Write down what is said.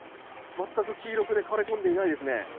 全く黄色く枯れこんでいないですね。